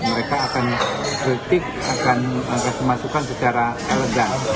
mereka akan kritik akan memasukkan secara elegan